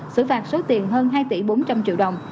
xử phạt số tiền hơn hai tỷ bốn trăm linh triệu đồng